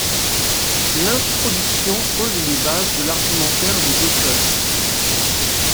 L'introduction pose les bases de l'argumentaire des auteur-es.